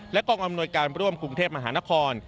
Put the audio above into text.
กองอำนวยการร่วมกรุงเทพมหานคร